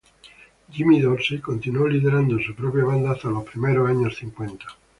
Jimmy Dorsey continuó liderando su propia banda hasta los primeros años cincuenta.